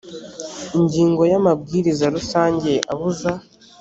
ingingo ya amabwiriza rusange abuza